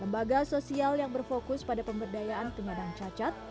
lembaga sosial yang berfokus pada pemberdayaan penyandang cacat